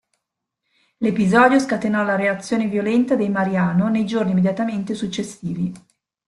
L'episodio scatenò la reazione violenta dei Mariano nei giorni immediatamente successivi.